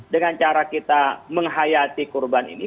dengan cara kita menghayati kurban ini